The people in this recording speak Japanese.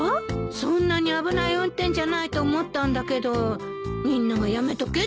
そんなに危ない運転じゃないと思ったんだけどみんながやめとけって言うから。